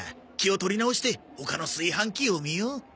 気を取り直して他の炊飯器を見よう。